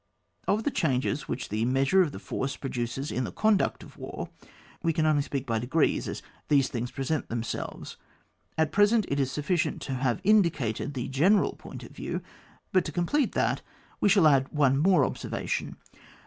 Of the changes which the measure of the force produces in the conduct of war, we can only speak by degrees, as these things present themselves; at present it is sufficient to have indicated the gene ral point of view, but to complete that we shall add one more observation.